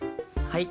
はい。